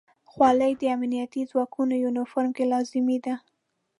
خولۍ د امنیتي ځواکونو یونیفورم کې لازمي ده.